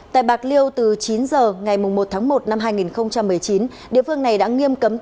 tại bạc liêu từ chín h ngày một một hai nghìn một mươi chín địa phương này đã nghiêm cấm